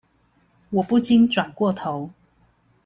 我不禁轉過頭